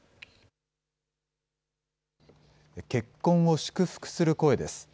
結婚を祝福する声です。